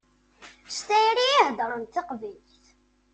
S tayri i heddṛent taqbaylit.